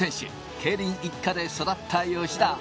競輪一家で育った吉田。